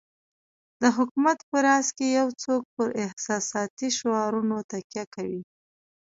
د حکومت په راس کې یو څوک پر احساساتي شعارونو تکیه کوي.